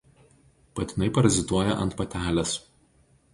Patinai parazituoja ant patelės.